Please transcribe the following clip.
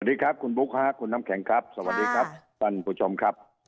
สวัสดีครับคุณบุ๊คฮะคุณน้ำแข็งครับสวัสดีครับท่านผู้ชมครับ